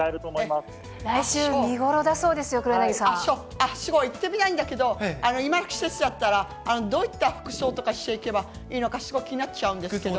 すごい行ってみたいんだけど、今の季節だったら、どういった服装とかしていけばいいのか、すごく気になっちゃうんですけど。